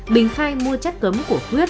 bình khai mua chất cấm của quyết